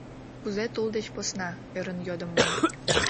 — Кузе тул деч посна? — ӧрын йодым мый.